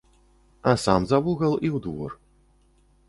А сам за вугал і ў двор.